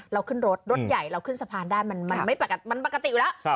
เราขึ้นรถรถใหญ่เราขึ้นสะพานได้มันปกติอยู่แล้ว